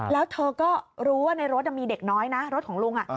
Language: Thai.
แล้วเธอก็รู้ว่าในรถมีเด็กน้อยนะรถของลุง